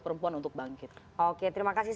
perempuan untuk bangkit oke terima kasih